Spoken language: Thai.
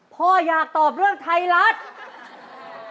พ่ออยากตอบเรื่องไทยรัฐ